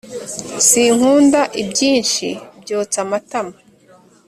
sinkunda ibyinshi byotsa amatama